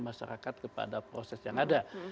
masyarakat kepada proses yang ada